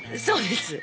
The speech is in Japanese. そうです。